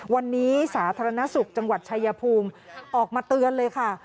วันนี้สาธารณสุขจังหวัดชายภูมิออกมาเตือนเลยค่ะ